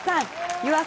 湯浅